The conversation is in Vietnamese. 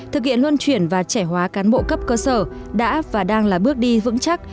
thực hiện luân chuyển và trẻ hóa cán bộ cấp cơ sở đã và đang là bước đi vững chắc